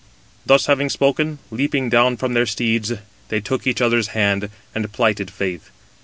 Thus then having spoken, leaping down from their steeds, they took each other's hand, and plighted faith.